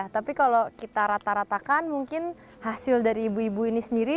tapi kalau kita rata ratakan mungkin hasil dari ibu ibu ini sendiri